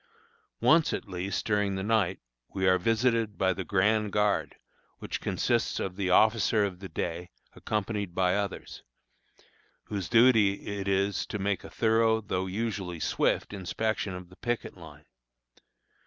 Once, at least, during the night, we are visited by the grand guard, which consists of the officer of the day, accompanied by others, whose duty it is to make a thorough, though usually swift, inspection of the picket line.